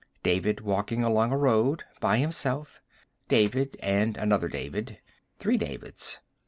David walking along a road, by himself. David and another David. Three Davids.